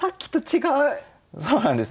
そうなんですよね。